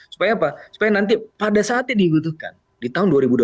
supaya apa supaya nanti pada saatnya dibutuhkan di tahun dua ribu dua puluh